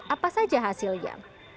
apa saja hasilnya